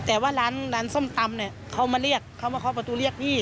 แต่ว่าร้านส้มตำเขามาเรียกเขาบอกว่าเขาประตูเรียกพี่